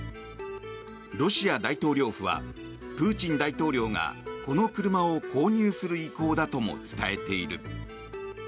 ロシア大統領府はプーチン大統領がこの車を購入する意向だとも伝えている。